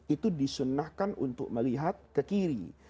itu disunnahkan untuk melihat ke kiri